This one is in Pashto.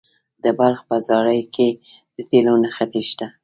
د بلخ په زاري کې د تیلو نښې شته.